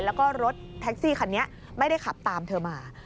แล้วก็รถแท็กซี่คันนี้ไม่ได้ขับตามเธอมา